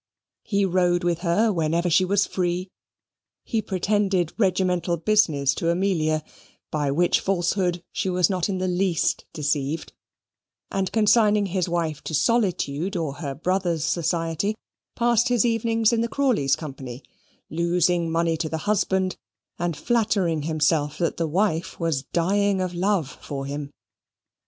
He rode with her whenever she was free. He pretended regimental business to Amelia (by which falsehood she was not in the least deceived), and consigning his wife to solitude or her brother's society, passed his evenings in the Crawleys' company; losing money to the husband and flattering himself that the wife was dying of love for him.